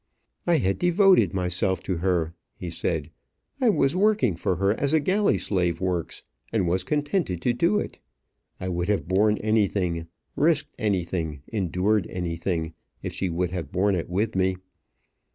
"I had devoted myself to her," he said. "I was working for her as a galley slave works, and was contented to do it. I would have borne anything, risked anything, endured anything, if she would have borne it with me.